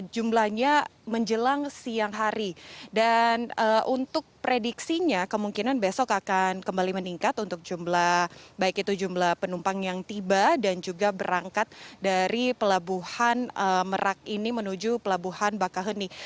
jumlahnya menjelang siang hari dan untuk prediksinya kemungkinan besok akan kembali meningkat untuk jumlah baik itu jumlah penumpang yang tiba dan juga berangkat dari pelabuhan merak ini menuju pelabuhan bakaheni